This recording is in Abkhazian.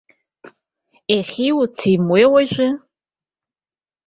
Иахьиуц имуеи уажәы?